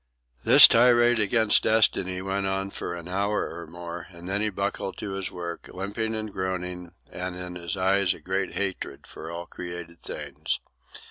This tirade against destiny went on for an hour or more, and then he buckled to his work, limping and groaning, and in his eyes a great hatred for all created things.